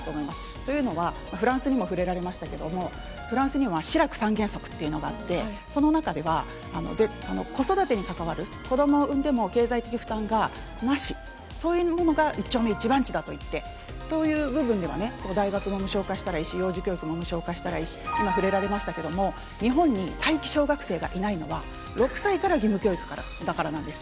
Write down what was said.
というのは、フランスにも触れられましたけれども、フランスにはシラク３原則というのがあって、その中では、子育てに関わる、子どもを産んでも経済的負担がなし、そういうものが一丁目一番地だといって、という部分ではね、大学を無償化したらいいし、幼児教育も無償化したらいいし、今触れられましたけれども、日本に待機小学生がいないのは、６歳から義務教育だからなんです。